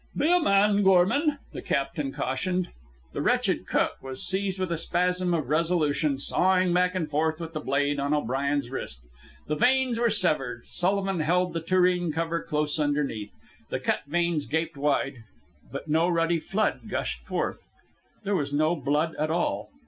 "Be a man, Gorman," the captain cautioned. The wretched cook was seized with a spasm of resolution, sawing back and forth with the blade on O'Brien's wrist. The veins were severed. Sullivan held the tureen cover close underneath. The cut veins gaped wide, but no ruddy flood gushed forth. There was no blood at all.